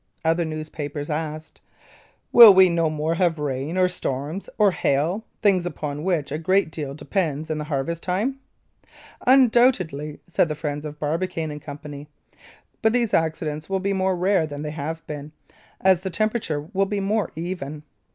Other newspapers asked: "Will we no more have rain, or storms, or hail things upon which a great deal depends in the harvest time?" "Undoubtedly," said the friends of Barbicane & Co., but these accidents will be more rare than they have been, as the temperature will be more even.